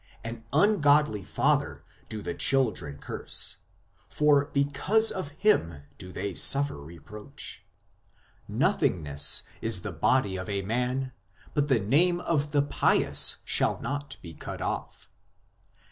An ungodly father do the children curse, for because of him do they suffer reproach. ... Nothingness is the body of a man, but the name of the pious shall not be cut off.